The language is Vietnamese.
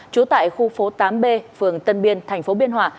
trú tại khu phố tám b phường tân biên thành phố biên hòa